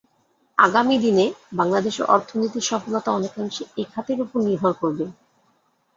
আগামী দিনে বাংলাদেশের অর্থনীতির সফলতা অনেকাংশে এ খাতের ওপর নির্ভর করবে।